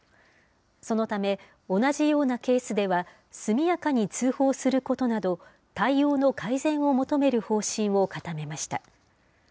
そのため、同じようなケースでは速やかに通報することなど、対応の改善を求める方針を固めました。